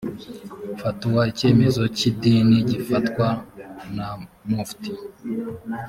fatuwa icyemezo cy idini gifatwa na mufti